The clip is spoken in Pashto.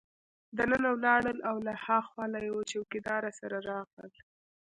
دننه ولاړل او له هاخوا له یوه چوکیدار سره راغلل.